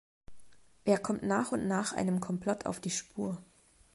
Er kommt nach und nach einem Komplott auf die Spur.